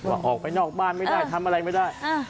ว่าออกไปนอกบ้านไม่ได้เออทำอะไรไม่ได้เออ